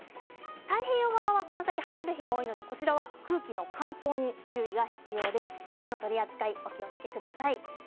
太平洋側はこの先晴れる日が多いのでこちらは空気の乾燥に注意が必要です、火の取り扱いにお気をつけください。